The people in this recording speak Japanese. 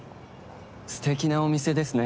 すてきなお店ですね。